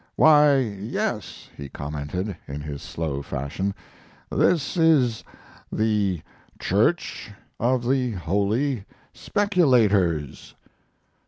"Why, yes," he commented, in his slow fashion, "this is the 'Church of the Holy Speculators.'"